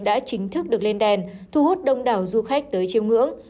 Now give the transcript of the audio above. đã chính thức được lên đèn thu hút đông đảo du khách tới chiêm ngưỡng